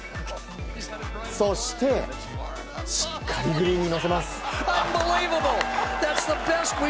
そして、しっかりグリーンに乗せます。